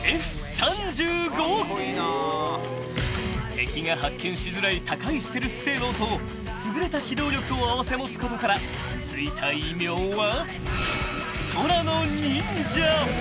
［敵が発見しづらい高いステルス性能と優れた機動力を併せ持つことから付いた異名は］